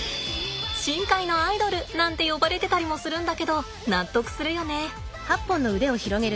深海のアイドルなんて呼ばれてたりもするんだけど納得するよね。